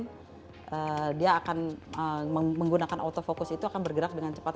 karena dia akan menggunakan autofocus itu akan bergerak dengan cepat